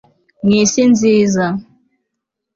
mw'isi nziza